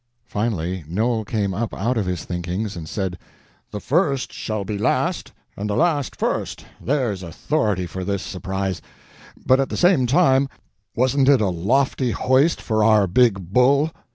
Finally Noel came up out of his thinkings and said: "The first shall be last and the last first—there's authority for this surprise. But at the same time wasn't it a lofty hoist for our big bull!"